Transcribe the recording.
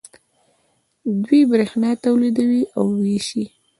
دوی بریښنا تولیدوي او ویشي.